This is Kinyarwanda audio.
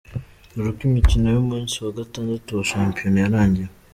Dore uko imikino y’umunsi wa gatandatu wa shampiyona yarangiye:.